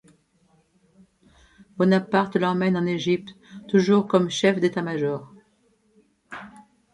Bonaparte l’emmène en Égypte, toujours comme chef d’état-major.